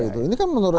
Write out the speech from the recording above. ini kan menurut